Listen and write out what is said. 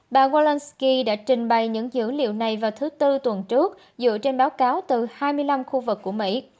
bà zalandsky đã trình bày những dữ liệu này vào thứ tư tuần trước dựa trên báo cáo từ hai mươi năm khu vực của mỹ